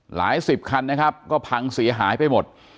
หลายสิบคันนะครับก็พังเสียหายไปหมด